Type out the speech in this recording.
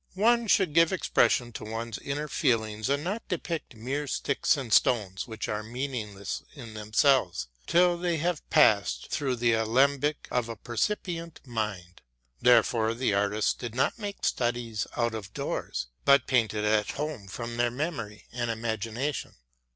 One should give expression to one's inner feelings and not depict mere sticks and stones which are meaningless in themselves till they have passed through the alembic of a percipient mind. Therefore the artists did not make studies out of doors, but painted at home from their memory and imagination.